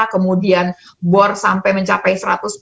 kemudian bor sampai mencapai